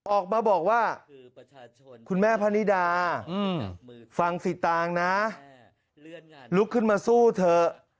ออกมาบอกว่าคุณแม่พะนิดาฟังสิตางนะลุกขึ้นมาสู้เถอะ